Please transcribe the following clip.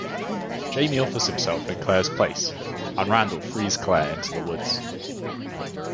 Jamie offers himself in Claire's place, and Randall frees Claire into the woods.